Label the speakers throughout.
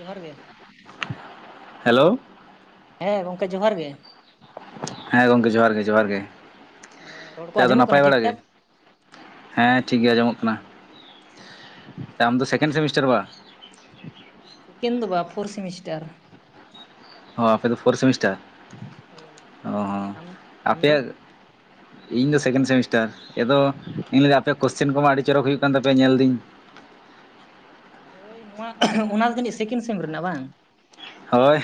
Speaker 1: ᱡᱚᱦᱟᱨ ᱜᱮ ᱾
Speaker 2: ᱦᱮᱞᱳ ᱾
Speaker 1: ᱦᱮᱸ ᱜᱚᱝᱠᱮ ᱡᱚᱦᱟᱨ ᱜᱮ᱾
Speaker 2: ᱦᱮᱸ ᱜᱚᱝᱠᱮ ᱡᱚᱦᱟᱨ ᱜᱮ ᱡᱚᱦᱟᱨ ᱜᱮ᱾
Speaker 1: ᱦᱮᱸ ᱨᱚᱲ ᱠᱚ
Speaker 2: ᱟᱫᱚ
Speaker 1: ᱟᱸᱡᱚᱢᱚᱜ ᱠᱟᱱᱟ
Speaker 2: ᱱᱟᱯᱟᱭ
Speaker 1: ᱴᱷᱤᱠ
Speaker 2: ᱵᱟᱲᱟ ᱜᱮ?
Speaker 1: ᱴᱷᱟᱠ
Speaker 2: ᱦᱮᱸ, ᱴᱷᱤᱠ ᱜᱮ ᱟᱸᱡᱚᱢᱚᱜ ᱠᱟᱱᱟ᱾
Speaker 1: ᱟᱪᱪᱷᱟ
Speaker 2: ᱟᱢ ᱫᱚ ᱥᱮᱠᱮᱱᱰ ᱥᱮᱢᱤᱥᱴᱟᱨ ᱵᱟ?
Speaker 1: ᱥᱮᱠᱮᱱ ᱫᱚ ᱵᱟ ᱯᱷᱳᱨ ᱥᱮᱢᱤᱥᱴᱟᱨ᱿
Speaker 2: ᱦᱚᱸ ᱟᱯᱮ ᱫᱚ ᱯᱷᱳᱨ ᱥᱮᱢᱤᱥᱴᱟᱨ,
Speaker 1: ᱦᱳᱭ
Speaker 2: ᱚ
Speaker 1: ᱟᱢ ᱟᱢ ᱫᱚ
Speaker 2: ᱟᱯᱮᱭᱟᱜ ᱤᱧ ᱫᱚ ᱥᱮᱠᱮᱱᱰ ᱥᱮᱢᱤᱥᱴᱟᱨ᱾ ᱟᱫᱚ ᱤᱧ ᱟᱯᱮᱭᱟᱜ ᱠᱳᱥᱪᱮᱱ ᱠᱚᱢᱟ ᱟᱹᱰᱤ ᱪᱚᱨᱚᱠ ᱦᱩᱭᱩᱜ ᱠᱟᱱ ᱛᱟᱯᱮᱭᱟ ᱧᱮᱞ ᱫᱟᱹᱧ?
Speaker 1: ᱦᱳᱭ, ᱱᱚᱣᱟ ᱚᱱᱟ ᱡᱟᱹᱱᱤᱡ ᱥᱮᱠᱮᱱᱰ ᱥᱮᱢ ᱨᱮᱱᱟᱜ ᱵᱟᱝ?
Speaker 2: ᱦᱳᱭ,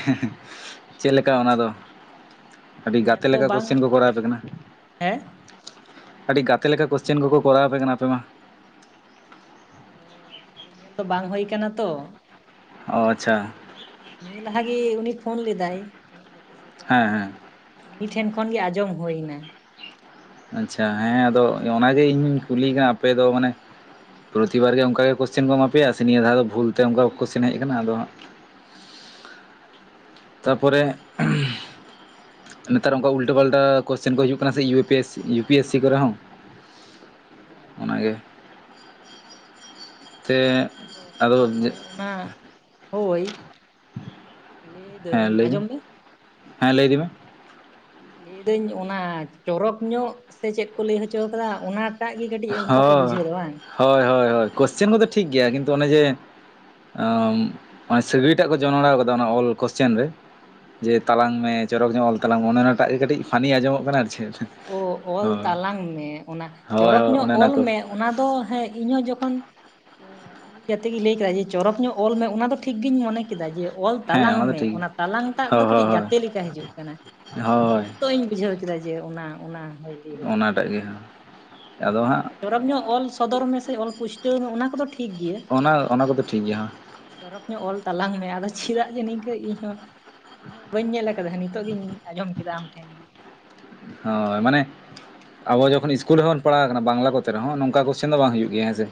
Speaker 2: ᱪᱮᱫᱞᱮᱠᱟ ᱚᱱᱟ ᱫᱚ? ᱟᱹᱰᱤ
Speaker 1: ᱧᱮᱞ
Speaker 2: ᱜᱟᱛᱮ
Speaker 1: ᱫᱚ
Speaker 2: ᱞᱮᱠᱟ
Speaker 1: ᱵᱟᱝ
Speaker 2: ᱠᱚᱥᱪᱮᱱ ᱠᱚ ᱠᱚᱨᱟᱣ ᱟᱯᱮ ᱠᱟᱱᱟ᱾ ᱟᱹᱰᱤ ᱜᱟᱛᱮ ᱞᱮᱠᱟ ᱠᱚᱥᱪᱮᱱ ᱠᱚᱠᱚ ᱠᱚᱨᱟᱣ ᱟᱯᱮ ᱠᱟᱱᱟ ᱟᱯᱮ ᱢᱟ?
Speaker 1: ᱚ ᱟᱫᱚ ᱧᱮᱞ ᱫᱚ ᱵᱟᱝ ᱦᱩᱭ ᱠᱟᱱᱟ ᱛᱚ,
Speaker 2: ᱚ ᱟᱪᱪᱷᱟ
Speaker 1: ᱟᱫᱚ ᱱᱤᱭᱟᱹ ᱞᱟᱦᱟᱮ ᱩᱱᱤ ᱯᱷᱳᱱ ᱞᱮᱫᱟᱭ ᱤᱧᱤᱡ ᱜᱟᱛᱮ ᱥᱮ ᱚᱠᱚᱭ
Speaker 2: ᱦᱮᱸ
Speaker 1: ᱟᱫᱚ
Speaker 2: ᱦᱮᱸ
Speaker 1: ᱩᱱᱤ ᱴᱷᱮᱱ ᱠᱷᱚᱱ ᱜᱮ ᱟᱸᱡᱚᱢ ᱦᱩᱭ ᱮᱱᱟ᱾
Speaker 2: ᱟᱪᱪᱷᱟ ᱦᱮᱸ, ᱟᱫᱚ ᱚᱱᱟ ᱜᱮ ᱤᱧᱤᱧ ᱠᱩᱞᱤᱭᱮ ᱠᱟᱱᱟ ᱟᱯᱮᱚ ᱢᱟᱱᱮ ᱯᱨᱚᱛᱤᱵᱟᱨ ᱜᱮ ᱚᱱᱠᱟᱜᱮ ᱠᱚᱥᱪᱮᱱ ᱠᱚ ᱮᱢᱟᱯᱮᱭᱟ ᱥᱮ ᱱᱤᱭᱟᱹ ᱫᱷᱟ ᱫᱚ ᱵᱷᱩᱞ ᱛᱮ ᱚᱱᱠᱟ ᱠᱚᱥᱪᱮᱱ ᱦᱮᱡ ᱟᱠᱟᱱᱟ? ᱟᱫᱚ ᱛᱟᱯᱚᱨᱮ ᱱᱮᱛᱟᱨ ᱚᱱᱠᱟ ᱩᱞᱴᱟᱹ ᱯᱟᱞᱴᱟ ᱠᱚᱥᱪᱮᱱ ᱠᱚ ᱦᱤᱡᱩᱜ ᱠᱟᱱᱟ ᱥᱮ U P S U P S C ᱠᱚᱨᱮ ᱦᱚᱸ᱾
Speaker 1: ᱚ
Speaker 2: ᱚᱱᱟ ᱜᱮ ᱾
Speaker 1: ᱟᱫᱚ ᱢᱟᱱᱮ ᱚᱱᱟ ᱦᱳᱭ᱾ ᱞᱟᱹᱭᱫᱟᱹᱧ
Speaker 2: ᱦᱮᱸ ᱞᱟᱹᱭ
Speaker 1: ᱟᱸᱡᱚᱢ ᱢᱮ
Speaker 2: ᱦᱮᱸ ᱞᱟᱹᱭᱤ ᱤᱫᱤᱢᱮ ᱢᱮ
Speaker 1: ᱞᱟᱹᱭᱫᱟᱹᱧ ᱚᱱᱟ ᱪᱚᱨᱚᱠ ᱧᱚᱜ ᱥᱮ ᱪᱮᱫ ᱠᱚ ᱞᱟᱹᱭ ᱦᱚᱪᱚ ᱟᱠᱟᱫᱟ᱾ ᱚᱱᱟ ᱮᱴᱟᱜ ᱜᱮ ᱠᱟᱹᱴᱤᱡ ᱚᱱᱠᱟ ᱯᱮ
Speaker 2: ᱦᱳᱭ
Speaker 1: ᱵᱩᱡᱷᱟᱹᱣ ᱫᱚ ᱵᱟᱝ?
Speaker 2: ᱦᱳᱭ ᱦᱳᱭ ᱦᱳᱭ, ᱠᱚᱥᱪᱮᱱ ᱠᱚᱫᱚ ᱴᱷᱤᱠ ᱜᱮᱭᱟ ᱠᱤᱱᱛᱩ ᱚᱱᱮ ᱡᱮ ᱥᱟᱹᱜᱟᱹᱭ ᱴᱟᱜ ᱠᱚ ᱡᱚᱱᱲᱟᱣ ᱠᱟᱫᱟ, ᱚᱱᱟ ᱚᱞ ᱠᱚᱥᱪᱮᱱ ᱨᱮ ᱡᱮ ᱛᱞᱟᱝ ᱢᱮ ᱪᱚᱨᱚᱠ ᱧᱚᱜ ᱚᱞ ᱛᱟᱞᱟᱝ ᱢᱮ, ᱚᱱᱮ ᱚᱱᱟᱴᱟᱜ ᱜᱮ ᱠᱟᱹᱴᱤᱡ ᱯᱷᱟᱱᱤ ᱟᱸᱡᱚᱜ ᱠᱟᱱᱟ ᱟᱨ ᱪᱮᱫ?
Speaker 1: ᱚ ᱚᱞ
Speaker 2: ᱦᱳᱭ
Speaker 1: ᱛᱟᱞᱟᱝ ᱢᱮ ᱚᱱᱟ
Speaker 2: ᱦᱳᱭ
Speaker 1: ᱪᱚᱨᱚᱠ
Speaker 2: ᱦᱳᱭ
Speaker 1: ᱧᱚᱜ
Speaker 2: ᱚᱱᱮ ᱚᱱᱟ
Speaker 1: ᱚᱞ
Speaker 2: ᱠᱚ
Speaker 1: ᱢᱮ ᱚᱱᱟ ᱫᱚ ᱦᱮᱸ ᱤᱧᱦᱚᱸ ᱡᱚᱠᱷᱚᱱ ᱡᱨᱛᱮᱜ ᱜᱮ ᱞᱟᱹᱭ ᱠᱮᱫᱟ ᱡᱮ ᱪᱚᱨᱚᱠ ᱧᱚᱜ ᱚᱞ ᱢᱮ ᱚᱱᱟ ᱫᱚ ᱴᱷᱤᱠ ᱜᱤᱧ ᱢᱚᱱᱮ ᱠᱮᱫ ᱠᱮᱫᱟ ᱡᱮ ᱚᱞ
Speaker 2: ᱦᱮᱸ
Speaker 1: ᱛᱟᱞᱟᱝ
Speaker 2: ᱫᱚ
Speaker 1: ᱢᱮ,
Speaker 2: ᱴᱷᱤᱠ
Speaker 1: ᱚᱱᱟ ᱛᱞᱟᱝ ᱴᱟᱜ ᱫᱚ
Speaker 2: ᱦᱳᱭ ᱦᱳᱭ
Speaker 1: ᱠᱟᱹᱴᱤᱡ ᱜᱟᱛᱮ ᱞᱮᱠᱟ ᱦᱤᱡᱩᱜ ᱠᱟᱱᱟ᱾
Speaker 2: ᱦᱳᱭ
Speaker 1: ᱚ
Speaker 2: ᱦᱳᱭ
Speaker 1: ᱱᱤᱛᱚᱜ ᱤᱧ ᱵᱩᱡᱷᱟᱹᱣ ᱠᱮᱫᱟ ᱡᱮ ᱚᱱᱟ᱾ ᱚᱱᱟ ᱦᱩᱭ᱾
Speaker 2: ᱚᱱᱟᱴᱟᱜ ᱜᱮ, ᱟᱫᱚ
Speaker 1: ᱢᱟᱱᱮ
Speaker 2: ᱦᱟᱸᱜ -
Speaker 1: ᱪᱚᱨᱚᱠ ᱧᱚᱜ ᱚᱞ ᱥᱚᱫᱚᱨ ᱢᱮᱥᱮ ᱚᱞ ᱯᱩᱥᱴᱟᱹᱣ ᱢᱮ ᱚᱱᱟ ᱠᱚᱫᱚ ᱴᱷᱤᱠ ᱜᱮᱭᱟ᱾
Speaker 2: ᱚᱱᱟ ᱚᱱᱟ ᱠᱚᱫᱚ ᱴᱷᱤᱠ ᱜᱮᱭᱟ
Speaker 1: ᱪᱚᱨᱚᱠ ᱧᱚᱜ ᱚᱞ ᱛᱟᱞᱟᱝ ᱢᱮ, ᱟᱫᱚ ᱪᱮᱫᱟᱜ ᱡᱮ ᱱᱤᱝᱠᱟᱹ ᱤᱧᱦᱚᱸ? ᱤᱧ ᱫᱚ ᱵᱟᱹᱧ ᱧᱮᱞ ᱟᱠᱟᱫᱟ᱾ ᱱᱤᱛᱚᱜ ᱜᱤᱧ ᱟᱸᱡᱚᱢ ᱠᱮᱫᱟ ᱟᱢ ᱴᱷᱮᱱ ᱜᱮ
Speaker 2: ᱦᱳᱭ ᱢᱟᱱᱮ ᱟᱵᱚ ᱡᱚᱠᱷᱚᱱ ᱤᱥᱩᱞ ᱨᱮᱵᱚᱱ ᱯᱟᱲᱟᱣ ᱵᱟᱝᱞᱟ ᱠᱚᱛᱮ ᱨᱮᱦᱚᱸ, ᱱᱚᱝᱠᱟ ᱠᱚᱥᱪᱮᱱ ᱫᱚ ᱵᱟᱝ ᱦᱩᱭᱩᱜ ᱜᱮᱭᱟ ᱦᱮᱸ ᱥᱮ᱾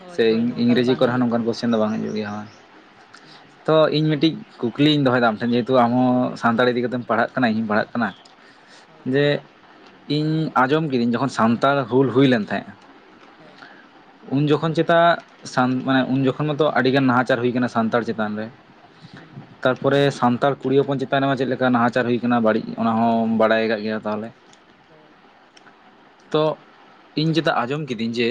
Speaker 1: ᱦᱳᱭ
Speaker 2: ᱥᱮ
Speaker 1: ᱦᱳᱭ ᱱᱚᱝᱠᱟ ᱫᱚ
Speaker 2: ᱤᱝᱨᱮᱡᱤ
Speaker 1: ᱵᱟᱝ
Speaker 2: ᱠᱚᱨᱮ ᱦᱚᱸ
Speaker 1: ᱦᱤᱡᱩᱜ
Speaker 2: ᱱᱚᱝᱠᱟᱱ
Speaker 1: ᱜᱮᱭᱟ
Speaker 2: ᱠᱚᱥᱪᱮᱱ ᱫᱚ ᱵᱟᱝ ᱦᱤᱡᱩᱜ ᱜᱮᱭᱟ ᱦᱳᱭ,
Speaker 1: ᱦᱩᱸ
Speaker 2: ᱛᱚ ᱤᱧ ᱢᱤᱫᱴᱤᱡ ᱠᱩᱠᱞᱤᱧ ᱫᱚᱦᱚᱭᱮᱫᱟ ᱟᱢ ᱴᱷᱮᱱ ᱡᱮᱦᱮᱛᱩ ᱟᱢᱦᱚᱸ ᱥᱟᱱᱛᱟᱲ ᱤᱫᱤ ᱠᱟᱛᱮᱢ ᱯᱟᱲᱦᱟᱜ ᱠᱟᱱᱟ, ᱤᱧᱤᱦᱚᱧ ᱯᱟᱲᱦᱟᱜ ᱠᱟᱱᱟ᱾
Speaker 1: ᱦᱳᱭ
Speaker 2: ᱡᱮ ᱤᱧ ᱟᱸᱡᱚᱢ ᱠᱤᱫᱟᱹᱧ ᱡᱚᱠᱷᱚᱱ ᱥᱟᱱᱛᱟᱲ ᱦᱩᱞ ᱦᱩᱭ ᱞᱮᱱ ᱛᱟᱦᱮᱸᱼᱟ?
Speaker 1: ᱦᱮᱸ
Speaker 2: ᱩᱱ ᱡᱚᱠᱷᱚᱱ ᱪᱮᱛᱟᱱ ᱢᱟᱱᱮ ᱩᱱ ᱡᱚᱠᱷᱚᱱ ᱢᱚᱛᱚ ᱟᱹᱰᱤᱜᱟᱱ ᱱᱟᱦᱟᱪᱟᱨ ᱦᱩᱭ ᱠᱟᱱᱟ ᱥᱟᱱᱛᱟᱲ ᱪᱮᱛᱟᱱ ᱨᱮ
Speaker 1: ᱦᱩᱸ᱾
Speaker 2: ᱛᱟᱨᱯᱚᱨᱮ ᱥᱟᱱᱛᱟᱲ ᱠᱩᱲᱤ ᱦᱚᱯᱚᱱ ᱪᱮᱛᱟᱱ ᱨᱮᱢᱟ ᱪᱮᱫ ᱞᱮᱠᱟ ᱱᱟᱦᱟᱪᱟᱨ ᱦᱩᱭᱟᱱᱟ ᱵᱟᱹᱲᱤᱡ ᱚᱱᱟ ᱦᱚᱸᱚᱸ ᱵᱟᱰᱟᱭ ᱜᱟ ᱜᱮᱭᱟ ᱛᱟᱦᱚᱞᱮ
Speaker 1: ᱦᱳᱭ᱾
Speaker 2: ᱛᱚᱜ ᱤᱧ ᱪᱮᱫᱟᱜ ᱟᱸᱡᱚᱢ ᱠᱤᱫᱟᱹᱧ ᱡᱮ,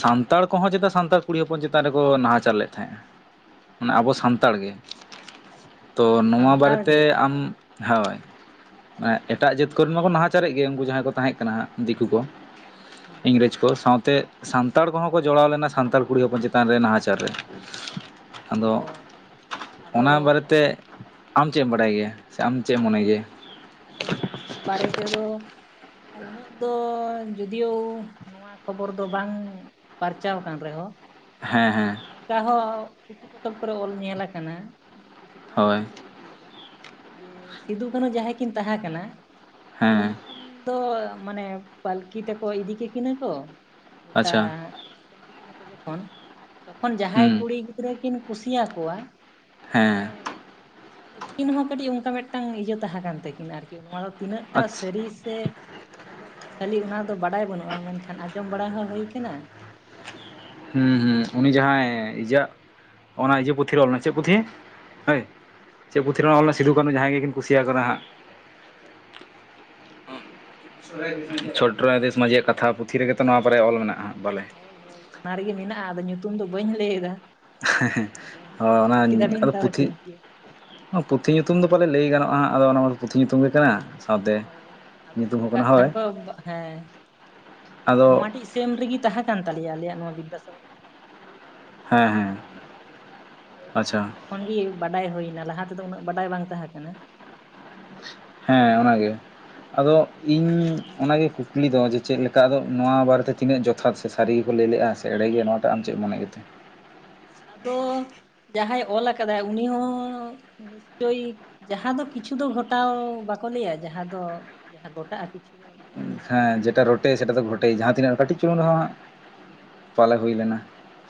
Speaker 2: ᱥᱟᱱᱛᱟᱲ ᱠᱚᱦᱚᱸ ᱪᱮᱛᱟ ᱥᱟᱱᱛᱟᱲ ᱠᱩᱲᱤ ᱦᱚᱯᱚᱱ ᱪᱮᱛᱟᱱ ᱨᱮᱠᱚ ᱱᱟᱦᱟᱸᱪᱟᱨ ᱞᱮᱫ ᱛᱟᱦᱮᱸᱜᱼᱟ, ᱚᱱᱟ ᱟᱵᱚ ᱦᱟᱱᱛᱟᱲ ᱜᱮ, ᱛᱚ ᱱᱚᱣᱟ
Speaker 1: ᱥᱟᱱᱛᱟᱲ
Speaker 2: ᱵᱟᱨᱮᱛᱮ
Speaker 1: ᱜᱮ
Speaker 2: ᱟᱢ, ᱦᱳᱭ᱾ ᱮᱸ ᱮᱴᱟᱜ ᱡᱟᱹᱛ ᱠᱚᱨᱤᱱ ᱢᱟᱠᱚ ᱱᱟᱦᱟᱪᱟᱨ ᱮᱜ ᱜᱮ ᱩᱸᱠᱩ ᱡᱟᱦᱟᱸᱭ ᱠᱚ ᱛᱟᱦᱮᱸᱜ ᱠᱟᱱᱟ ᱦᱟᱸᱜ ᱫᱤᱠᱩ ᱠᱚ,
Speaker 1: ᱦᱩᱸ
Speaker 2: ᱮᱸᱜᱽᱨᱮᱡᱽ ᱛᱚ ᱥᱟᱶᱛᱮᱜ ᱥᱟᱱᱛᱟᱲ ᱠᱚᱦᱚᱸ ᱠᱚ ᱡᱚᱲᱟᱣ ᱞᱮᱱᱟ ᱥᱟᱱᱛᱟᱲ ᱠᱩᱲᱤ ᱦᱚᱯᱚᱱ ᱪᱮᱛᱟᱱ ᱨᱮ ᱱᱟᱦᱟᱸᱪᱟᱨ ᱨᱮ᱾ ᱟᱫᱚᱜ
Speaker 1: ᱚ ᱟᱫᱚ
Speaker 2: ᱚᱱᱟ
Speaker 1: ᱩᱱ
Speaker 2: ᱵᱟᱨᱮᱛᱮᱜ ᱟᱢ ᱪᱮᱜ ᱮᱢ ᱵᱟᱰᱟᱭ ᱜᱮᱭᱟ, ᱥᱮ ᱟᱢ ᱪᱮᱜ ᱮᱢ ᱢᱚᱱᱮ ᱜᱮᱭᱟ?
Speaker 1: ᱦᱳᱭ ᱱᱚᱣᱟ ᱵᱟᱨᱮ ᱛᱮᱫᱚ, ᱩᱱᱟᱹᱜ ᱫᱚ ᱡᱩᱫᱤᱭᱳ ᱱᱚ ᱱᱚᱣᱟ ᱠᱷᱚᱵᱚᱨ ᱫᱚ ᱵᱟᱝ ᱯᱟᱨᱪᱟᱣ ᱟᱠᱟᱱ ᱨᱮᱦᱚ᱾
Speaker 2: ᱦᱮᱸ
Speaker 1: ᱢᱟᱱᱮ
Speaker 2: ᱦᱮᱸ
Speaker 1: ᱱᱚᱝᱠᱟ ᱦᱚ ᱯᱩᱛᱷᱤ ᱯᱚᱛᱚᱵ ᱠᱚᱨᱮ ᱚᱞ ᱧᱮᱞ ᱟᱠᱟᱱᱟ, - ᱩᱸ ᱯᱩᱛᱷᱤ ᱠᱚᱨᱮ ᱧᱟᱜ
Speaker 2: ᱦᱳᱭ
Speaker 1: ᱧᱩᱛᱩᱢ ᱫᱚ ᱵᱟᱹᱧ ᱞᱟᱹᱭ ᱮᱫᱟ, ᱡᱮ ᱥᱤᱫᱷᱩᱼ ᱠᱟᱹᱱᱦᱩ ᱡᱟᱦᱟᱸᱭ ᱠᱤᱱ ᱛᱟᱦᱮᱸ ᱠᱟᱱᱟ,
Speaker 2: ᱦᱮᱸ
Speaker 1: ᱩᱱᱠᱤᱱ ᱫᱚᱻ ᱢᱟᱱᱮ ᱯᱟᱹᱞᱠᱤ ᱛᱮᱠᱚ ᱤᱫᱤ ᱠᱮᱜ ᱠᱤᱱᱟᱹ ᱠᱚ? ᱜᱚᱴᱟ
Speaker 2: ᱟᱪᱪᱷᱟ
Speaker 1: ᱟᱥᱮᱱ ᱠᱮᱫ ᱠᱤᱱᱟ ᱠᱚ ᱡᱚᱠᱷᱚᱱ, ᱛᱚᱠᱷᱚᱱ
Speaker 2: ᱦᱩᱸ
Speaker 1: ᱡᱟᱦᱟᱸᱭ ᱠᱩᱲᱤ ᱜᱤᱫᱽᱨᱟᱹ ᱠᱤᱱ ᱠᱩᱥᱤ ᱭᱟᱠᱚᱣᱟ, ᱢᱟᱱᱮ
Speaker 2: ᱦᱮᱸ
Speaker 1: ᱟᱹᱠᱤᱱ ᱦᱚᱸ ᱠᱟᱹᱴᱤᱡ ᱚᱸᱠᱟ ᱢᱮᱫᱴᱟᱝ ᱤᱭᱟᱹ ᱛᱟᱦᱮᱸ ᱠᱟᱱ ᱛᱟᱹᱠᱤᱱᱟ ᱟᱨᱠᱤ, ᱱᱚᱣᱟ ᱫᱚ ᱛᱤᱱᱟᱹᱜ ᱴᱟᱜ
Speaker 2: ᱟᱪᱪᱷᱟ
Speaker 1: ᱥᱟᱹᱨᱤ ᱥᱮ ᱟᱫᱚ ᱠᱷᱟᱹᱞᱤ ᱚᱱᱟ ᱫᱚ ᱵᱟᱰᱟᱭ ᱵᱟᱹᱱᱩᱜ-ᱟ, ᱢᱮᱱᱠᱷᱟᱱ ᱟᱸᱡᱚᱢ ᱵᱟᱲᱟ ᱦᱚᱸ ᱦᱩᱭ ᱠᱟᱱᱟ᱾ ᱟᱫᱚ
Speaker 2: ᱦᱩᱸ ᱦᱩᱸ, ᱩᱱᱤ
Speaker 1: ᱱᱚᱣᱟ ᱫᱚ
Speaker 2: ᱡᱟᱦᱟᱸᱭ ᱤᱡᱟᱜ ᱚᱱᱟ ᱤᱡᱟᱹ ᱯᱩᱛᱷᱤ ᱨᱮ ᱚᱞ ᱢᱮ, ᱪᱮᱜ ᱯᱩᱛᱷᱤ? ᱦᱟᱹᱭ! ᱪᱮᱫ ᱯᱩᱛᱷᱤ ᱨᱮ ᱱᱚᱣᱟ ᱚᱞ ᱞᱮᱱᱟ, ᱥᱤᱫᱷᱩᱼᱠᱟᱹᱱᱦᱩ ᱡᱟᱦᱟᱸᱭ ᱜᱮ ᱠᱤᱱ ᱠᱩᱥᱤᱭᱟᱠᱚ ᱱᱷᱟᱸᱜ? ᱪᱷᱳᱴᱨᱟᱭ ᱫᱮᱥ ᱢᱟᱺᱡᱷᱤ ᱭᱟᱜ ᱠᱟᱛᱷᱟ ᱯᱩᱛᱷᱤ ᱨᱮᱜᱮ ᱛᱚ ᱱᱚᱣᱟ ᱵᱟᱨᱭᱟ ᱚᱞ ᱢᱮᱱᱟᱜ-ᱟ ᱵᱟᱞᱮ?
Speaker 1: ᱦᱳᱭ ᱦᱳᱭ ᱚᱱᱟ ᱨᱮᱜᱮ ᱢᱮᱱᱟᱜ-ᱟ, ᱟᱫᱚ ᱧᱩᱛᱩᱢ ᱫᱚ ᱵᱟᱹᱧ ᱞᱟᱹᱭ ᱮᱫᱟ᱾
Speaker 2: ᱦᱮᱸ ᱦᱮᱸ,
Speaker 1: ᱟᱫᱚ
Speaker 2: ᱦᱚ ᱚᱱᱟᱧ ᱟᱫᱚ
Speaker 1: ᱛᱟᱣ
Speaker 2: ᱯᱩᱛᱷᱤᱜ
Speaker 1: ᱴᱷᱤᱠ ᱜᱮᱭᱟ
Speaker 2: ᱦᱚᱸ ᱯᱩᱛᱷᱤ
Speaker 1: ᱦᱮᱸ
Speaker 2: ᱧᱩᱛᱩᱢ ᱫᱚ ᱯᱟᱞᱮᱫ ᱞᱟᱹᱭ ᱜᱟᱱᱚᱜ-ᱟ ᱦᱟᱸᱜ ᱟᱫᱚ ᱚᱱᱟᱢᱟᱨ ᱯᱩᱛᱷᱤ ᱧᱩᱛᱩᱢ ᱜᱮ ᱠᱟᱱᱟ? ᱥᱟᱶᱛᱮ
Speaker 1: ᱦᱳᱭ ᱟᱫᱚ
Speaker 2: ᱧᱩᱛᱩᱢ
Speaker 1: ᱚᱞ
Speaker 2: ᱦᱚᱸ ᱠᱟᱱᱟ
Speaker 1: ᱟᱠᱟᱫ
Speaker 2: ᱦᱳᱭ
Speaker 1: ᱠᱷᱟᱱ ᱠᱚ ᱮᱠ ᱵᱟ, ᱦᱮᱸ ᱟᱫᱚ ᱱᱚᱣᱟ ᱴᱤᱥ ᱥᱮᱢ ᱨᱮᱜᱤ ᱛᱟᱦᱮᱸ ᱠᱟᱱ ᱛᱟᱞᱮᱭᱟ ᱟᱞᱮᱭᱟᱜ ᱱᱚᱣᱟ ᱵᱤᱫᱟᱥᱟᱜᱚᱨ [unintelligible] ᱯᱳᱨ ᱛᱷᱮᱢ
Speaker 2: ᱦᱮᱸ
Speaker 1: ᱨᱮᱜᱤ
Speaker 2: ᱦᱮᱸ
Speaker 1: ᱛᱟᱦᱮᱸ ᱠᱟᱱ ᱛᱟᱞᱮᱭᱟ ᱚᱱᱟᱜᱮ,
Speaker 2: ᱟᱪᱪᱷᱟ
Speaker 1: ᱟᱫᱚ ᱛᱚᱠᱷ- ᱠᱷᱚᱱ ᱜᱤ ᱵᱟᱰᱟᱭ ᱦᱩᱭ ᱮᱱᱟ, ᱞᱟᱦᱟ ᱛᱮᱫᱚ ᱩᱱᱟᱹᱜ ᱵᱟᱰᱟᱭ ᱵᱟᱝ ᱛᱟᱦᱮᱸ ᱠᱟᱱᱟ᱾
Speaker 2: ᱦᱮᱸ ᱚᱱᱟᱜᱮ᱾ ᱟᱫᱚ ᱤᱧ ᱚᱱᱟᱜᱮ ᱠᱩᱠᱞᱤ ᱫᱚ ᱡᱮ ᱪᱮᱫ ᱞᱮᱠᱟ ᱟᱫᱚ ᱱᱚᱣᱟ ᱵᱟᱨᱮᱛᱮ ᱛᱤᱱᱟᱹᱜ ᱡᱚᱯ- ᱛᱷᱟᱛ ᱥᱮ ᱥᱟᱹᱨᱤ ᱜᱮᱠᱚ ᱞᱟᱹᱭ ᱞᱮᱜ-ᱟ, ᱥᱮ ᱮᱲᱮ ᱜᱮ, ᱱᱚᱣᱟ ᱴᱟᱜ ᱟᱢ ᱪᱮᱜ ᱮᱢ ᱢᱚᱱᱮᱭᱮᱜ ᱜᱮ ᱛᱟᱦᱮᱸ?
Speaker 1: ᱟᱫᱚ ᱡᱟᱦᱟᱸᱭ ᱚᱞ ᱟᱠᱟᱫᱟᱭ, ᱩᱱᱤ ᱦᱚᱸ ᱱᱤᱥᱪᱚᱭ ᱡᱟᱦᱟ ᱫᱚ ᱠᱤᱪᱷᱩ ᱫᱚ ᱜᱷᱚᱴᱟᱣ ᱵᱟᱠᱚ ᱞᱟᱹᱭᱼᱟ, ᱡᱟᱦᱟ ᱫᱚ ᱡᱟᱦᱟ ᱜᱷᱚᱴᱟᱜ-ᱟ ᱠᱤᱪᱷᱩ? ᱫᱚ ᱤᱭᱟᱹᱜ ᱜᱮᱭᱟ ᱵᱟᱝ
Speaker 2: ᱩᱸᱻᱦᱮᱸ ᱡᱮ ᱴᱟ ᱨᱚᱴᱮ, ᱥᱮ ᱴᱟ ᱛᱚ ᱜᱷᱚᱴᱮ, ᱡᱟᱦᱟᱸ ᱛᱤᱱᱟᱹᱜ,
Speaker 1: ᱦᱳᱭ
Speaker 2: ᱠᱟᱹᱴᱤᱡ ᱪᱩᱞᱩᱝ
Speaker 1: ᱦᱳᱭ
Speaker 2: ᱨᱮ ᱦᱚᱸ ᱪᱟᱣᱞᱮ ᱩᱭ ᱞᱮᱱᱟ᱾